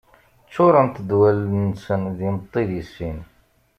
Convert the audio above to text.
Ččurent-d wallen-nsen d imeṭṭi di sin.